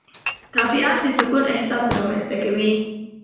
طبیعت د سکون احساس رامنځته کوي